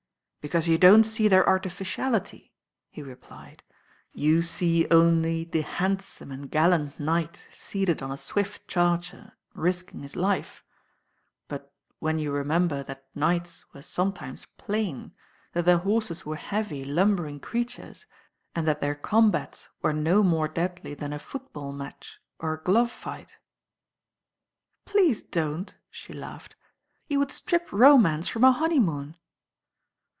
^ "Because you don't see their artificiality," he THE RAm OHtL replied. "You see only the handsome and gallant knight seated on a swift charger, risking his life; but when you remember that knights were sometimes plain, that their horses were heavy, lumbering crea tures, and that their combats were no more deadly than a football match or a glove fight " "Please don't," she laughed. "You would strip romance from a honeymoon."